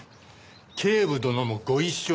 警部殿もご一緒に。